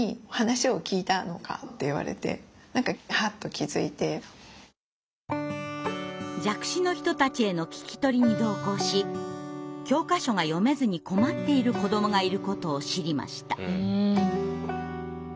きっかけは弱視の人たちへの聞き取りに同行し教科書が読めずに困っている子どもがいることを知りました。